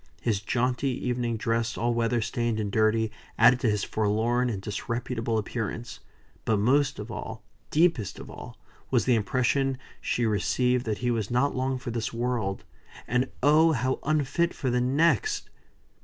His jaunty evening dress, all weather stained and dirty, added to his forlorn and disreputable appearance; but most of all deepest of all was the impression she received that he was not long for this world; and oh! how unfit for the next!